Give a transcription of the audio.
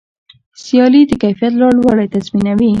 سیالي د کیفیت لوړوالی تضمینوي.